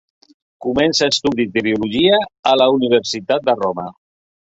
Comença estudis de Biologia a la Universitat de Roma.